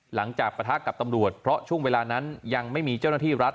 ปะทะกับตำรวจเพราะช่วงเวลานั้นยังไม่มีเจ้าหน้าที่รัฐ